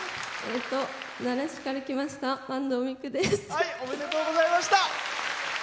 奈良市から来ましたあんどうです。